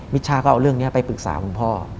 ช่าก็เอาเรื่องนี้ไปปรึกษาคุณพ่อ